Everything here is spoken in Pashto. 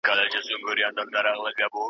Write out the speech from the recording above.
که په تعلیم کې اخلاص ولري، نو خیانت به و نه سي.